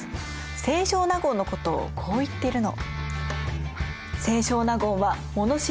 清少納言のことをこう言ってるの。